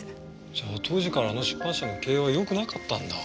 じゃあ当時からあの出版社の経営は良くなかったんだ。